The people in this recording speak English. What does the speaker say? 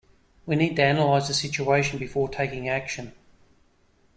We need to analyse the situation before taking action.